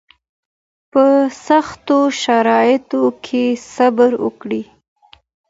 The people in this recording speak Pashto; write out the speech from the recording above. په سختو شرایطو کې صبر وکړئ